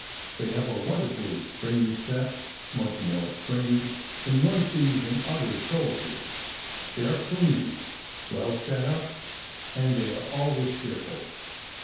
They have a wonderfully springy step, much more springy than one sees in other soldiers. They are clean, well set up, and they are always cheerful.